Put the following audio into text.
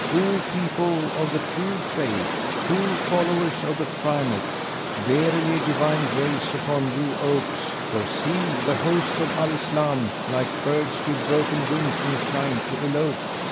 Ho, people of the True Faith! Ho, followers of the Primate![FN#400] Verily Divine grace upon you opes; for see, the hosts of Al Islam like birds with broken wings incline to elope!